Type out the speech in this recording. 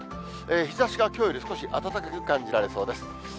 日ざしがきょうより少し暖かく感じられそうです。